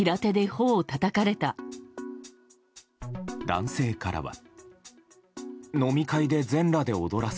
男性からは。